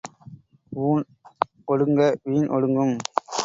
ஊண் ஒடுங்க வீண் ஒடுங்கும்.